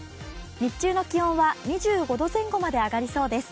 日中の気温は２５度前後まで上がりそうです。